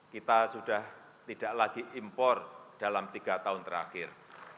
kita sudah tidak lagi impor dalam tiga tahun terakhir